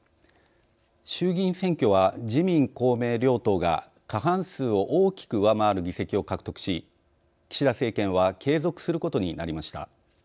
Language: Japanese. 衆議院選挙は自民・公明両党が過半数を大きく上回る議席を獲得し岸田政権は継続することになりました。